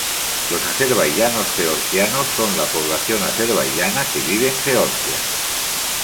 Los azerbaiyanos georgianos son la población azerbaiyana, que vive en Georgia.